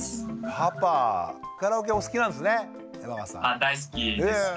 パパカラオケお好きなんですね？